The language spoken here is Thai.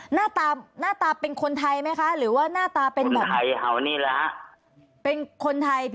หน้าตาหน้าตาเป็นคนไทยไหมคะหรือว่าหน้าตาเป็นคนไทย